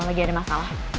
lagi ada masalah